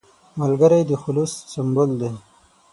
ملګری د خلوص سمبول دی